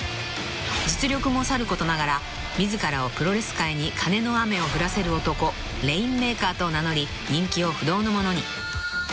［実力もさることながら自らをプロレス界にカネの雨を降らせる男レインメーカーと名乗り人気を不動のものに］